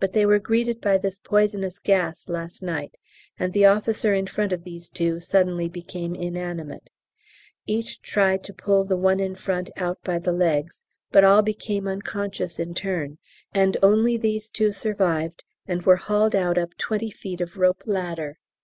But they were greeted by this poisonous gas last night, and the officer in front of these two suddenly became inanimate; each tried to pull the one in front out by the legs, but all became unconscious in turn, and only these two survived and were hauled out up twenty feet of rope ladder.